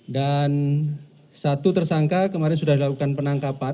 dan satu tersangka kemarin sudah dilakukan penangkapan